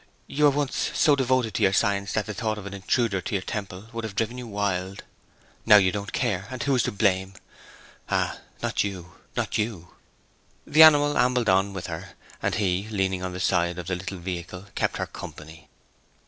'You were once so devoted to your science that the thought of an intruder into your temple would have driven you wild. Now you don't care; and who is to blame? Ah, not you, not you!' The animal ambled on with her, and he, leaning on the side of the little vehicle, kept her company.